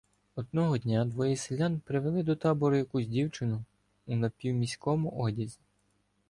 Одного дня двоє селян привели до табору якусь дівчину у напівміському одязі.